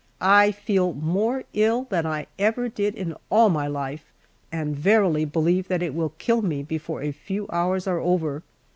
I feel more ill than I ever did in all my life, and verily believe that it will kill me before a few hours are over.